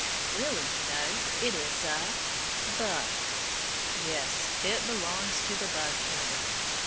Really, you know, it is a bug! Yes, it belongs to the bug order.